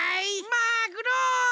マグロ！